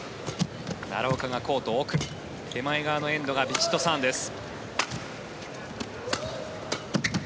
奈良岡がコート奥手前側のエンドがヴィチットサーンです。